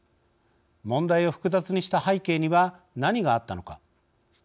問題を複雑にした背景には何があったのか。